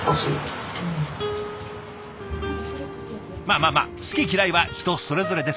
まあまあまあ好き嫌いは人それぞれですからね。